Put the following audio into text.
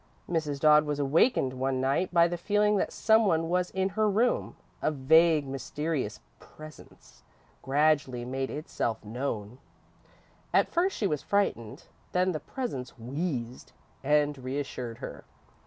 Mrs. Dodd was awakened one night by the feeling that some one was in her room. A vague, mysterious Presence gradually made itself known. At first she was frightened, then the Presence wheezed, and reassured her.